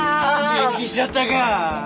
元気しちょったか？